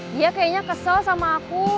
dia kayaknya kesel sama aku